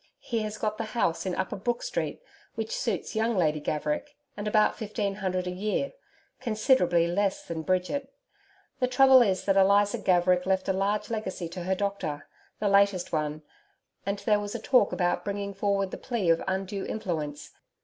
He has got the house in Upper Brook Street, which suits young Lady Gaverick, and about fifteen hundred a year considerably less than Bridget. The trouble is that Eliza Gaverick left a large legacy to her doctor the latest one and there was a talk about bringing forward the plea of undue influence.